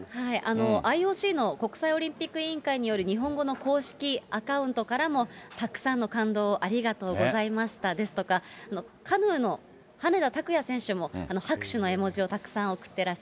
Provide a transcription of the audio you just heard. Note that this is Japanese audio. ＩＯＣの国際オリンピック委員会による日本語の公式アカウントからも、たくさんの感動をありがとうございましたですとか、カヌーの羽根田卓也選手も拍手の絵文字をたくさん送ってらっ